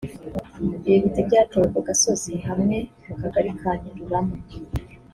Ibi biti byatewe ku gasozi hamwe mu Kagari ka Nyarurama